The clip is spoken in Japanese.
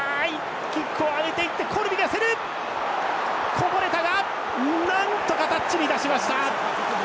こぼれたがなんとかタッチに出しました。